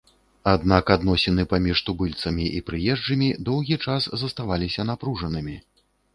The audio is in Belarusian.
Аднак адносіны паміж тубыльцамі і прыезджымі доўгі час заставаліся напружанымі.